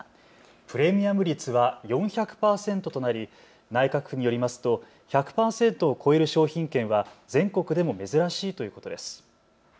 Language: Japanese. プレミアム率は４００％となり内閣府によりますと１００％を超える商品券は全国でも珍しいということです。